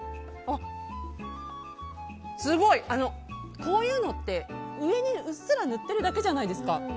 すごい！こういうのって、上にうっすら塗ってるだけじゃないですか。